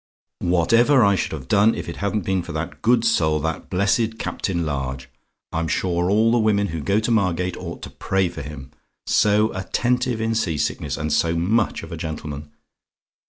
"Whatever I should have done if it hadn't been for that good soul that blessed Captain Large! I'm sure all the women who go to Margate ought to pray for him; so attentive in sea sickness, and so much of a gentleman!